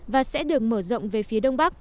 và sẽ được mở rộng về phía đông bắc